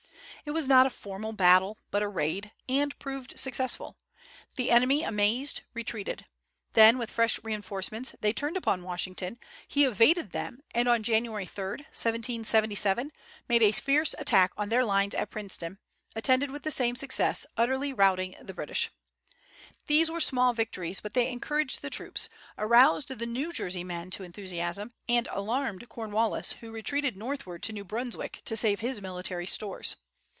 It was not a formal battle, but a raid, and proved successful. The enemy, amazed, retreated; then with fresh reinforcements they turned upon Washington; he evaded them, and on January 3, 1777, made a fierce attack on their lines at Princeton, attended with the same success, utterly routing the British. These were small victories, but they encouraged the troops, aroused the New Jersey men to enthusiasm, and alarmed Cornwallis, who retreated northward to New Brunswick, to save his military stores.